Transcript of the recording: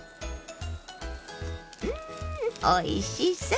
うんおいしそう！